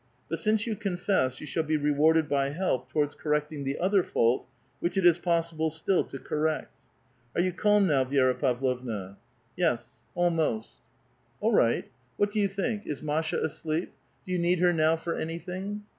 But since you confess, you shall be rewarded by help towards correcting the other fault, which it is possible still to correct. Are you calm now, Vi^ra Pavlovna ?" "Yes, almost." A VITAL QUESTION. 299 .All right. What do you think? is Masha asleep? Do you need her now for anything?"